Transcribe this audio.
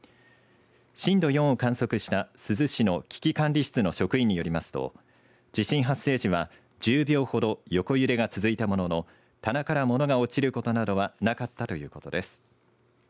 震度４を観測した珠洲市の危機管理室の職員によりますと地震発生時は１０秒ほど横揺れが続いたものの棚からものが落ちることなどはなかったということです。